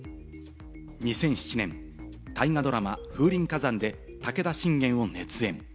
２００７年、大河ドラマ『風林火山』で武田信玄を熱演。